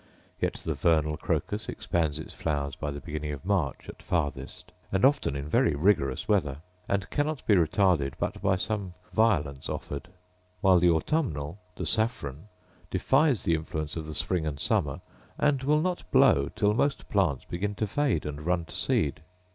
Yet the vernal crocus expands its flowers by the beginning of March at farthest, and often in very rigorous weather; and cannot be retarded but by some violence offered: — while the autumnal (the saffron) defies the influence of the spring and summer, and will not blow till most plants begin to fade and run to seed.